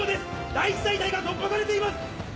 第一大隊が突破されています！